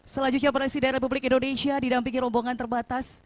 selanjutnya presiden republik indonesia didampingi rombongan terbatas